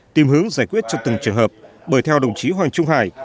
tìm hướng giải quyết cho từng trường hợp bởi theo đồng chí hoàng trung hải